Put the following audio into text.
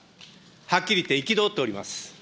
はっきり言って憤っております。